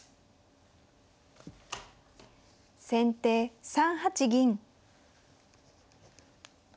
先手３八銀。